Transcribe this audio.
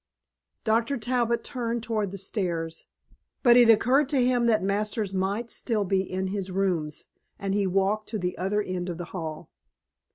XXIV Dr. Talbot turned toward the stairs, but it occurred to him that Masters might still be in his rooms and he walked to the other end of the hall.